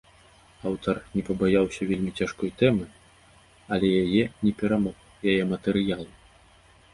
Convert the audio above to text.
Аўтар не пабаяўся вельмі цяжкой тэмы, але яе не перамог, яе матэрыялу.